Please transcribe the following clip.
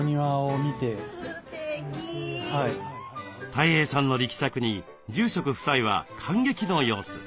たい平さんの力作に住職夫妻は感激の様子。